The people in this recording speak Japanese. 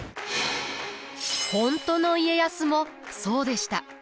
本当の家康もそうでした。